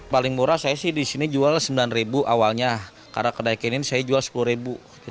paling murah saya sih di sini jual rp sembilan awalnya karena kedai kenin saya jual rp sepuluh